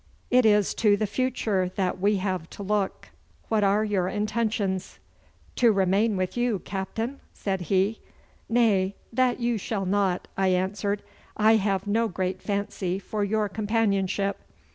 It is to the future that we have to look. What are your intentions?' 'To remain with you, Captain,' said he. 'Nay, that you shall not,' I answered; 'I have no great fancy for your companionship.